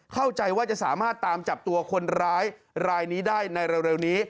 เข้าใจว่าจะสามารถตามจับตัวคนร้ายรายนี้ได้ในเร็วนี้